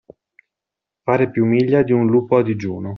Fare più miglia di un lupo a digiuno.